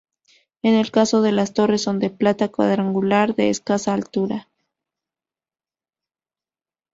En el caso de las torres son de planta cuadrangular de escasa altura.